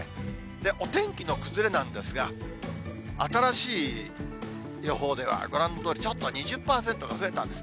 お天気の崩れなんですが、新しい予報では、ご覧のように、ちょっと２０％が増えたんです。